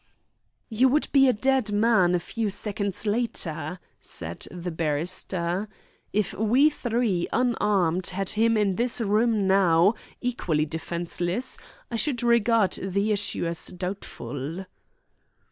"You would be a dead man a few seconds later," said the barrister. "If we three, unarmed, had him in this room now, equally defenceless, I should regard the issue as doubtful."